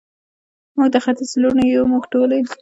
موږ د ختیځ لوڼې یو، موږ ټولې،